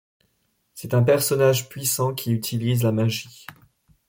C'est un personnage puissant qui utilise la magie.